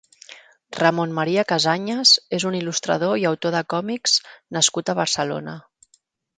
Ramon Maria Casanyes és un il·lustrador i autor de còmics nascut a Barcelona.